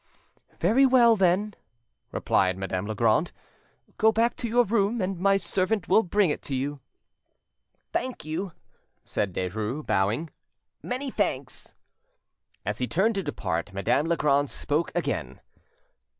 "Very well, then," replied Madame Legrand; "go back to your room, and my servant will bring it to you." "Thank you," said Derues, bowing,—"many thanks." As he turned to depart, Madame Legrand spoke again.